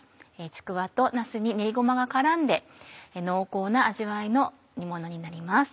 ちくわとなすに練りごまが絡んで濃厚な味わいの煮ものになります。